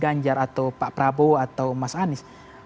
ganjar atau pak prabowo atau mas anies